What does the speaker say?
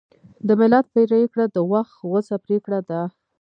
د ملت پرېکړه د وخت غوڅه پرېکړه ده.